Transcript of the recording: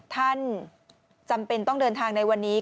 ท่านจำเป็นต้องเดินทางในวันนี้